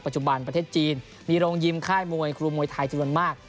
จุบันประเทศจีนมีโรงยิมค่ายมวยครูมวยไทยจำนวนมาก